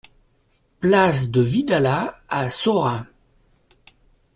Place de Vidalat à Saurat